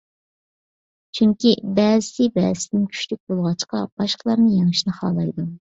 چۈنكى، بەزىسى بەزىسىدىن كۈچلۈك بولغاچقا، باشقىلارنى يېڭىشنى خالايدۇ.